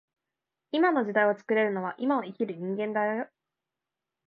今の時代を作れるのは今を生きている人間だけだよ